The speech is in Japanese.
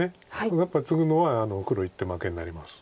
やっぱりツグのは黒１手負けになります。